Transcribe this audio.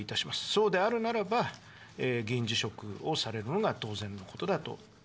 そうであるならば、議員辞職をされるのが当然のことだと。